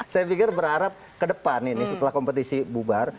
saya pikir berharap ke depan ini setelah kompetisi bubar